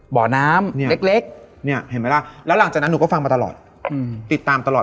บ่อน้ำเนี่ยเล็กเนี่ยเห็นไหมล่ะแล้วหลังจากนั้นหนูก็ฟังมาตลอดติดตามตลอด